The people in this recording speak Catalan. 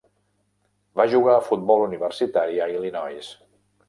Va jugar a futbol universitari a Illinois.